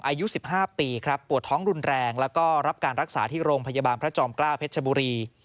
อายุ๑๕ปีครับปวดท้องรุนแรงแล้วก็รับการรักษาที่โรงพยาบาลพระจอมเกล้าเพชรบุรี